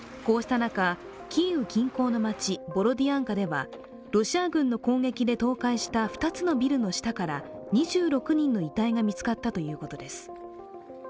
こうした中、キーウ近郊の街ボロディアンカではロシア軍の攻撃で倒壊した２つのビルの下から２６人の遺体が見つかったということです。